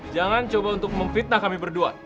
jangan coba untuk memfitnah kami berdua